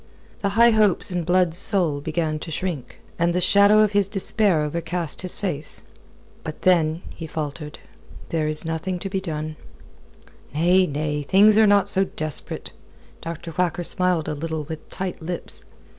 The high hopes in Blood's soul, began to shrink. And the shadow of his despair overcast his face. "But then..." he faltered. "There is nothing to be done." "Nay, nay: things are not so desperate." Dr. Whacker smiled a little with tight lips.